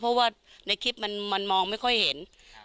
เพราะว่าในคลิปมันมองไม่ค่อยเห็น